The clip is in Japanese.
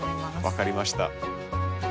分かりました。